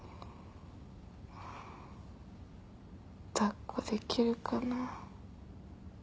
抱っこできるかな。